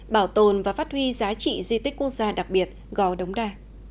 bảo tồn và phát huy giá trị di tích quốc gia đặc biệt gò đống đa